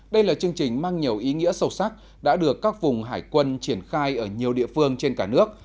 đây là chương trình mang nhiều ý nghĩa sâu sắc đã được các vùng hải quân triển khai ở nhiều địa phương trên cả nước